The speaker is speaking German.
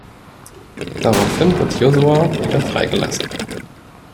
Daraufhin wird Josua wieder freigelassen.